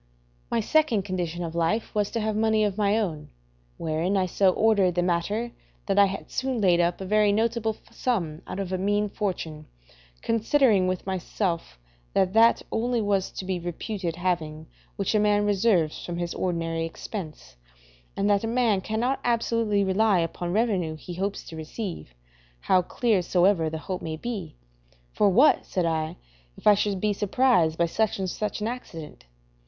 My second condition of life was to have money of my own, wherein I so ordered the matter that I had soon laid up a very notable sum out of a mean fortune, considering with myself that that only was to be reputed having which a man reserves from his ordinary expense, and that a man cannot absolutely rely upon revenue he hopes to receive, how clear soever the hope may be. For what, said I, if I should be surprised by such or such an accident?